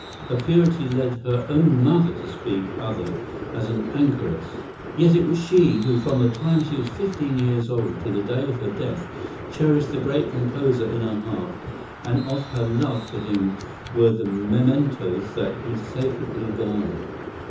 Her purity led her own mother to speak other as an "anchoress." Yet it was she who from the time she was fifteen years old to the day of her death cherished the great composer in her heart; and of her love for him were the mementos that he sacredly guarded.